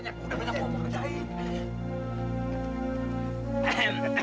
udah banyak bawa kerjain